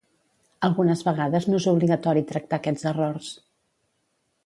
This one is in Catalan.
Algunes vegades no és obligatori tractar aquests errors.